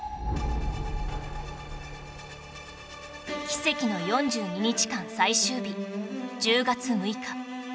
奇跡の４２日間最終日１０月６日